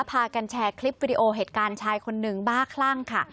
พากันแชร์คลิปวิดีโอเหตุการณ์ชายคนหนึ่งบ้าคลั่งค่ะ